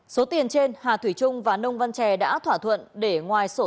số tiền trên hà thủy trung và nông văn trè đã thỏa thuận để ngoài sổ